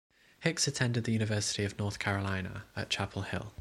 Hicks attended the University of North Carolina at Chapel Hill.